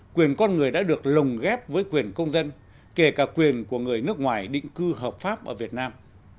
quyền con người đã được lồng ghép với quyền công dân kể cả quyền của người nước ngoài định cư hợp pháp ở việt nam